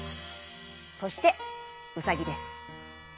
そしてうさぎです。